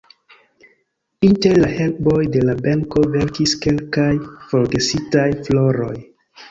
Inter la herboj de la benko velkis kelkaj forgesitaj floroj.